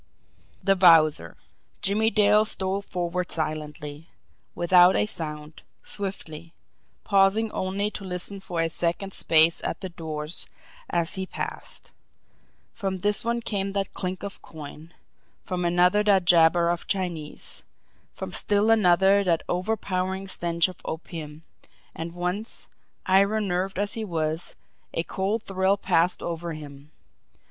The Wowzer! Jimmie Dale stole forward silently, without a sound, swiftly pausing only to listen for a second's space at the doors as he passed. From this one came that clink of coin; from another that jabber of Chinese; from still another that overpowering stench of opium and once, iron nerved as he was, a cold thrill passed over him.